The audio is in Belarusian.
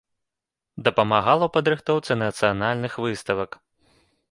Дапамагала ў падрыхтоўцы нацыянальных выставак.